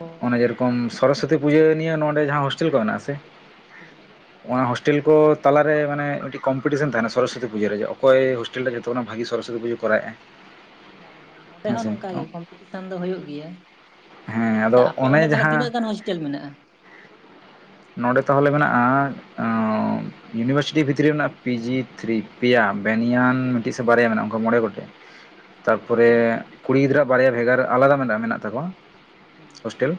Speaker 1: ᱚ
Speaker 2: ᱚᱱᱮ ᱡᱮᱨᱚᱠᱚᱢ
Speaker 1: ᱠᱟᱹᱢᱤ
Speaker 2: ᱥᱚᱨᱚᱥᱚᱛᱤ ᱯᱩᱡᱟᱹ ᱱᱤᱭᱮ ᱱᱚᱸᱰᱮ ᱡᱟᱦᱟᱸ ᱦᱳᱥᱴᱮᱞ ᱠᱚ ᱢᱮᱱᱟᱜᱼᱟ ᱥᱮ
Speaker 1: ᱦᱮᱸ
Speaker 2: ᱚᱱᱟ ᱦᱳᱥᱴᱮᱞ ᱠᱚ ᱛᱟᱞᱟᱨᱮ ᱢᱟᱱᱮ ᱢᱤᱫᱴᱤᱡ ᱠᱚᱢᱯᱤᱴᱤᱥᱮᱱ ᱛᱟᱦᱮᱱᱟ ᱥᱚᱨᱚᱥᱚᱛᱤ ᱯᱩᱡᱟᱹ ᱨᱮ ᱡᱮ ᱚᱠᱚᱭ ᱦᱳᱥ- ᱴᱮᱞ ᱨᱮ ᱡᱚᱛᱚ ᱠᱷᱚᱱᱟᱜ ᱵᱷᱟᱹᱜᱤ ᱥᱚᱨᱚᱥᱚᱛᱤ ᱯᱩᱡᱟᱹ ᱠᱚᱨᱟᱣᱭᱮᱼᱟᱭ᱾
Speaker 1: ᱚ ᱦᱚ ᱱᱚᱸᱰᱮ ᱦᱚᱸ ᱱᱚᱝᱠᱟᱜᱮ ᱠᱚᱢᱯᱤᱴᱤᱥᱮᱱ ᱫᱚ ᱦᱩᱭᱩᱜ ᱜᱮᱭᱟ᱾
Speaker 2: ᱦᱮᱸ
Speaker 1: ᱟᱪᱪᱷᱟ
Speaker 2: ᱟᱫᱚ
Speaker 1: ᱟᱯᱮ
Speaker 2: ᱚᱱᱮ
Speaker 1: ᱚᱸᱰᱮ ᱛᱟᱦᱚᱞᱮ
Speaker 2: ᱡᱟᱦᱟᱸ
Speaker 1: ᱛᱤᱱᱟᱹᱜ ᱜᱟᱱ ᱦᱳᱥᱴᱮᱞ ᱢᱮᱱᱟᱜᱼᱟ?
Speaker 2: ᱱᱚᱸᱰᱮ ᱛᱟᱦᱚᱞᱮ ᱢᱮᱱᱟᱜᱼᱟ ᱤᱭᱩᱱᱤᱵᱷᱟᱨᱥᱤᱴᱤ ᱵᱷᱤᱛᱨᱤ ᱨᱮ ᱢᱮᱱᱟᱜᱼᱟ ᱯᱤᱡᱤ ᱛᱷᱨᱤ ᱯᱮᱭᱟ ᱵᱮᱱᱤᱭᱟᱱ ᱢᱤᱫᱴᱤᱡ ᱥᱮ ᱵᱟᱨᱭᱟ ᱢᱮᱱᱟᱜᱼᱟ ᱚᱱᱠᱟ ᱢᱚᱬᱮ ᱜᱚᱴ-
Speaker 1: [inaudible] ᱚ
Speaker 2: ᱛᱟᱨᱯᱚᱨᱮ ᱠᱩᱲᱤ ᱜᱤᱫᱽᱨᱟᱹ ᱵᱟᱨᱭᱟ ᱵᱷᱮᱜᱟᱨ ᱟᱞᱟᱫᱟ ᱢᱮᱱᱟᱜᱼᱟ ᱢᱮᱱᱟᱜ ᱛᱟᱠᱚᱣᱟ
Speaker 1: ᱦᱩᱸ
Speaker 2: ᱦᱳᱥᱴᱮᱞ᱾